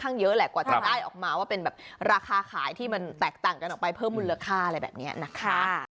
เยอะแหละกว่าจะได้ออกมาว่าเป็นแบบราคาขายที่มันแตกต่างกันออกไปเพิ่มมูลค่าอะไรแบบนี้นะคะ